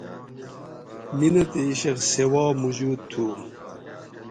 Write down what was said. مینہ تے عشق سواۤ موجود تھو